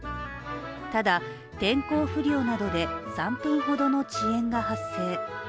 ただ、天候不良などで３分ほどの遅延が発生。